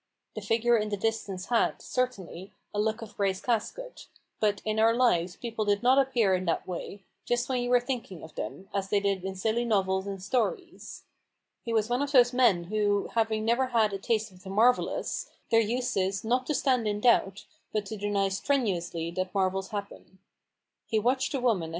The figure in the distance had, certainly, a look of Grace Casket ; but in our lives people did not appear in that way, just when you were thinking of them, as they did in silly novels and stories. He was one of those men who, having never had a taste of the marvellous, their use is, not to stand in doubt, but to deny strenuously that marvels happen. He watched the woman as HUGO RAVEN'S HAND.